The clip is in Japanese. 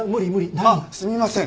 あっすみません。